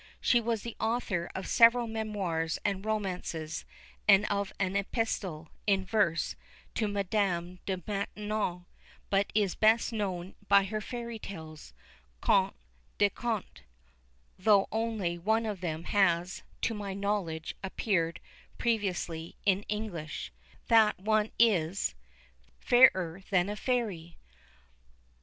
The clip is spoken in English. She was the author of several memoirs and romances, and of an Epistle, in verse, to Madame de Maintenon; but is best known by her fairy tales, Contes des Contes, though only one of them has, to my knowledge, appeared previously in English. That one is FAIRER THAN A FAIRY.